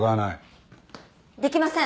できません。